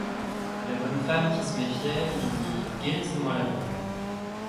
La bonne femme, qui se méfiait, lui dit: Guérissez-moi-la donc.